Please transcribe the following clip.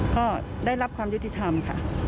ก็ได้รับความยุติธรรมค่ะ